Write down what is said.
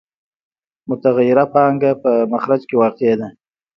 متغیره پانګه په مخرج کې واقع ده